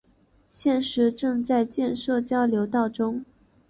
现时正在建设交流道中。